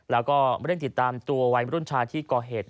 แล้วก็เร่งติดตามตัววัยมรุ่นชายที่ก่อเหตุ